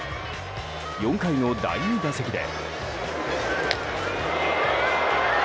４回の第２打席で。